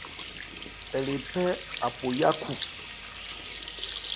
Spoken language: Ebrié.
Ɛ le phɛ́ Apo yákhu.